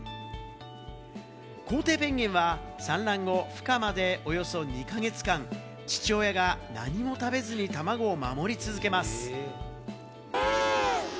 コウテイペンギンは産卵後、孵化までおよそ２か月間、父親が何も食べずに卵を守り続けます。